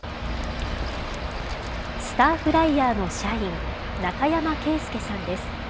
スターフライヤーの社員、中山圭介さんです。